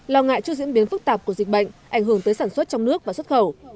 lo ngại trước diễn biến phức tạp của dịch bệnh ảnh hưởng tới sản xuất trong nước và xuất khẩu